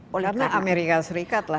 karena amerika serikat lah